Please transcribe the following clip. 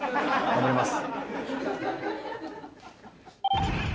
頑張ります。